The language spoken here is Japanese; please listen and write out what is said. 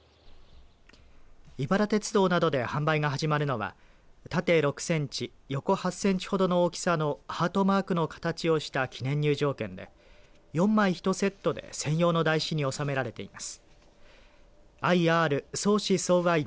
井原鉄道などで販売が始まるのは縦６センチ横８センチほどの大きさのハートマークの形をした記念入場券で４枚１セットで専用の台紙に収められています。